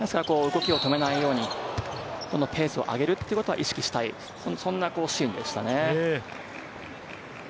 動きを止めないようにどんどんペースを上げることは意識したい、そんなシーンでしたね。